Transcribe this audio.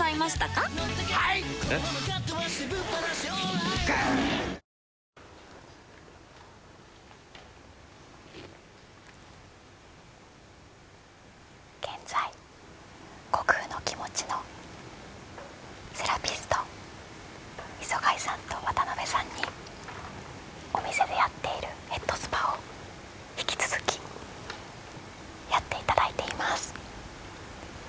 ニトリ現在悟空のきもちのセラピスト磯貝さんと渡部さんにお店でやっているヘッドスパを引き続きやっていただいています。